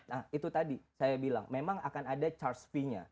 nah itu tadi saya bilang memang akan ada charge fee nya